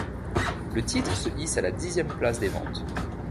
Le titre se hisse à la dixième place des ventes.